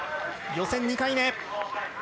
予選２回目。